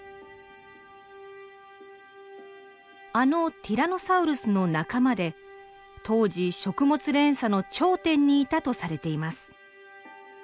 あのティラノサウルスの仲間で当時食物連鎖の頂点にいたとされています。